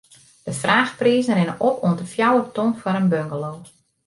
De fraachprizen rinne op oant de fjouwer ton foar in bungalow.